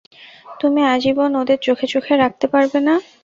তুমি আজীবন ওদের চোখে চোখে রাখতে পারবে না।